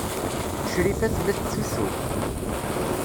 Crifa tella tettusu.